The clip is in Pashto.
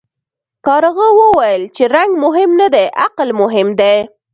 کارغه وویل چې رنګ مهم نه دی عقل مهم دی.